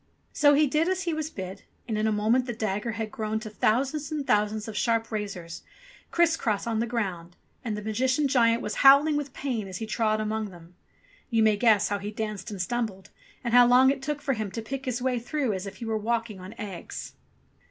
So he did as he was bid, and in a moment the dagger had grown to thousands and thousands of sharp razors, criss cross on the ground, and the Magician giant was howling with pain as he trod among them. You may guess how he danced and stumbled and how long it took for him to pick his way through as if he were walking on eggs